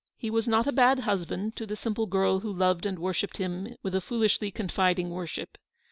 He was not a bad hus band to the simple girl who loved and worshipped him with a foolishly confiding worship.